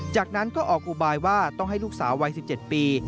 จากนั้นก็ออกอุบายว่าต้องให้ลูกสาววัย๑๗ปี